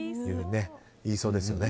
言いそうですよね。